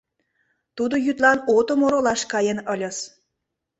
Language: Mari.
Тудо йӱдлан отым оролаш каен ыльыс.